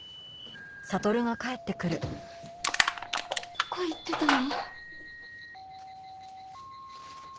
どこ行ってたの？